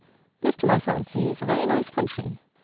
_ This, to my fancy, is a very nice country.